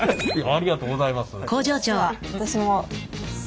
ありがとうございます。